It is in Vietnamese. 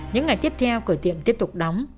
những ngày tiếp theo cửa tiệm tiếp tục đóng